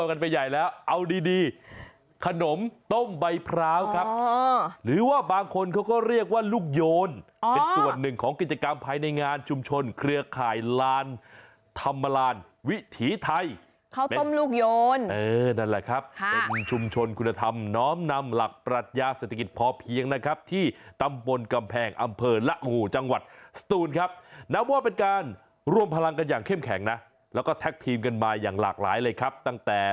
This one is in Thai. น้องกันไปใหญ่แล้วเอาดีดีขนมต้มใบพร้าวครับหรือว่าบางคนเขาก็เรียกว่าลูกโยนอ่อส่วนหนึ่งของกิจกรรมภัยในงานชุมชนเครือข่ายลานธรรมลานวิธีไทยเขาต้มลูกโยนเออนั่นแหละครับค่ะเป็นชุมชนคุณธรรมน้อมนำหลักปรัสยาเศรษฐกิจพอเพียงนะครับที่ตำบนกำแภงอำเ